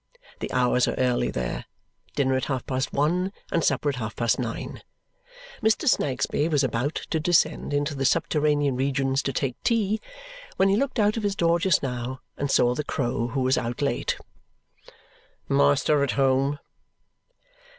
The hours are early there: dinner at half past one and supper at half past nine. Mr. Snagsby was about to descend into the subterranean regions to take tea when he looked out of his door just now and saw the crow who was out late. "Master at home?"